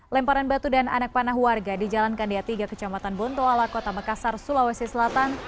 lemparan batu dan anak panah warga di jalan kanda tiga kecamatan bontoala kota makassar sulawesi selatan